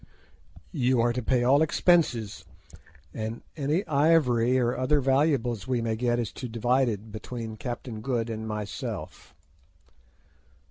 You are to pay all expenses, and any ivory or other valuables we may get is to be divided between Captain Good and myself.